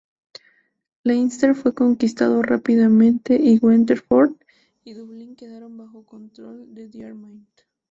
Leinster fue conquistado rápidamente y Waterford y Dublín quedaron bajo control de Diarmait.